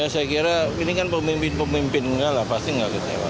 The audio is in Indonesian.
saya kira ini kan pemimpin pemimpin enggak lah pasti nggak kecewa